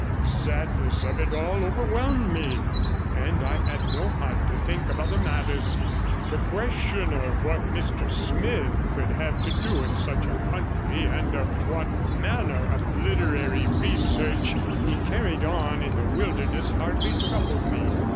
The sadness of it all overwhelmed me and I had no heart to think of other matters; the question of what Mr Smith could have to do in such a country, and of what manner of literary research he be carried on in the wilderness, hardly troubled me.